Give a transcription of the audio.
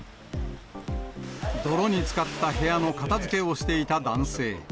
泥につかった部屋の片づけをしていた男性。